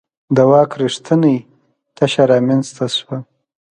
د واک رښتینې تشه رامنځته شوه.